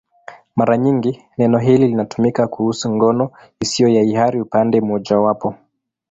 Mara nyingi neno hili linatumika kuhusu ngono isiyo ya hiari upande mmojawapo.